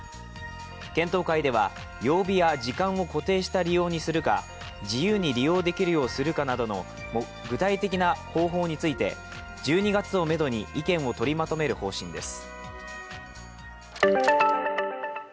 検討会では、曜日や時間を固定にした利用にするか、自由に利用できるようするかなどの具体的な方法について１２月をめどに意見を取りまとめる方針です。